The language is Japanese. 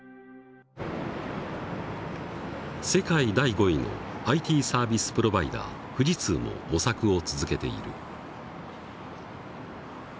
世界第５位のＩＴサービスプロバイダー富士通も模索を続けている。